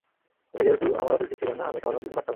আগে যেহেতু আমার অথোরিটি ছিল না, আমি সমাধান দিতে পারতাম না।